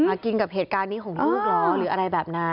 กินกับเหตุการณ์นี้ของลูกเหรอหรืออะไรแบบนั้น